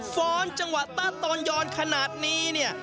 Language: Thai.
ฟ้อมจังหวะตะตอนยอมขนาดนี่